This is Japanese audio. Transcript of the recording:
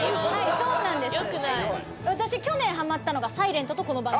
そうなんですよ。